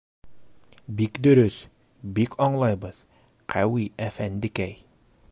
— Бик дөрөҫ, бик аңлайбыҙ, Ҡәүи әфәндекәй!